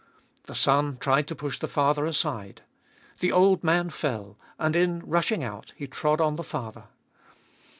The son tried to push the father aside. The old man fell, and in rushing out he trod on the father!